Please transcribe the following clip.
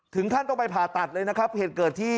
ท่านต้องไปผ่าตัดเลยนะครับเหตุเกิดที่